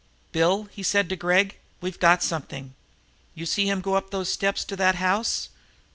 "Bill," he said to Gregg, "we've got something. You seen him go up those steps to that house?"